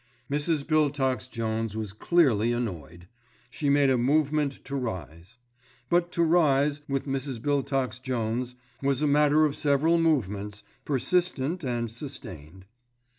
'" Mrs. Biltox Jones was clearly annoyed. She made a movement to rise; but to rise, with Mrs. Biltox Jones, was a matter of several movements, persistent and sustained.